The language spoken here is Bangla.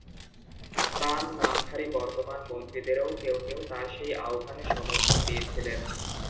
বাম নামধারী বর্তমান মন্ত্রীদেরও কেউ কেউ তাঁর সেই আহ্বানে সমর্থন দিয়েছিলেন।